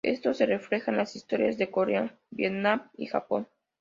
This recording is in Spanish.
Esto se refleja en las historias de Corea, Vietnam y Japón.